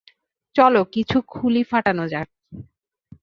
চলো কিছু খুলি ফাটানো যাক।